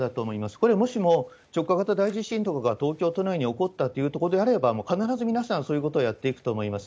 これ、もしも直下型大地震が東京都内に起こったというところであれば、必ず皆さんそういうことをやっていくと思います。